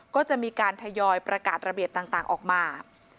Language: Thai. ก็จะมีการทยอยประกาศระเบียบต่างออกมา